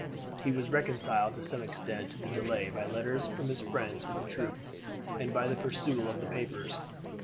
He was reconciled to some extent to the delay by letters from his friends with the troop and by the perusal of the papers.